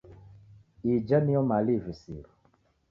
Ija niyo mali ivisiro.